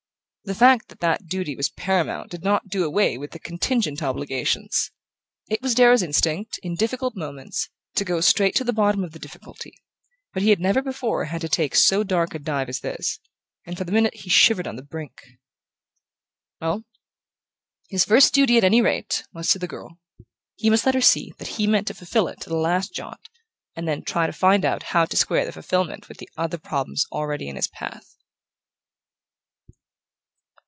The fact that that duty was paramount did not do away with the contingent obligations. It was Darrow's instinct, in difficult moments, to go straight to the bottom of the difficulty; but he had never before had to take so dark a dive as this, and for the minute he shivered on the brink...Well, his first duty, at any rate, was to the girl: he must let her see that he meant to fulfill it to the last jot, and then try to find out how to square the fulfillment with the other problems already in his path...